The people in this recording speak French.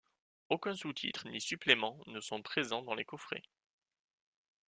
Aucun sous-titres ni suppléments ne sont présents dans les coffrets.